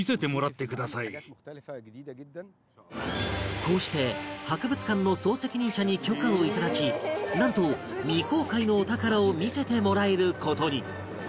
こうして博物館の総責任者に許可を頂きなんと未公開のお宝を見せてもらえる事に